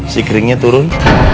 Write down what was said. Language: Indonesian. si keringnya turun